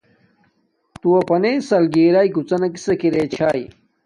تو اپنانݵ سل گی راݵے گوڎنا کسک ارے چھاݵ۔